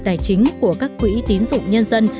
tài chính của các quỹ tiến dụng nhân dân